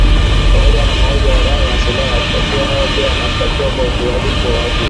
Pamoja na mauzo haramu ya silaha washtakiwa hao pia wanashtakiwa kwa uhalivu wa vita